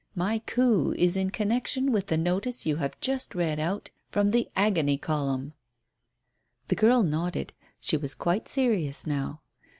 My coup is in connection with the notice you have just read out from the 'Agony' column." The girl nodded. She was quite serious now.